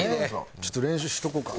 ちょっと練習しとこうか。